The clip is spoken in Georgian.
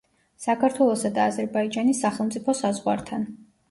საქართველოსა და აზერბაიჯანის სახელმწიფო საზღვართან.